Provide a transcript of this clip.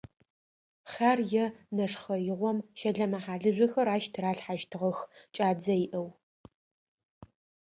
Хъяр е нэшхъэигъом щэлэмэ-хьалыжъохэр ащ тыралъхьащтыгъэх кӏадзэ иӏэу.